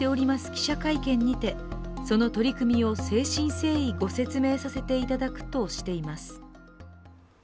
記者会見にてその取り組みを誠心誠意ご説明させていただくとしています。